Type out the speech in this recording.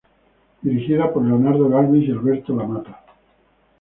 Dirigida por Leonardo Galvis y Alberto Lamata.